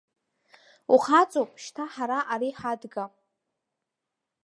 Ухаҵоуп, шьҭа ҳара ари ҳадга!